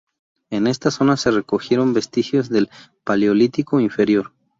En esta zona se recogieron vestigios del Paleolítico Inferior.